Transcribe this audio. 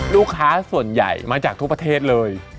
ลูกค้าส่วนใหญ่มาจากทุกประเทศเลย